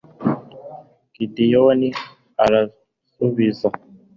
gideyoni arabasubiza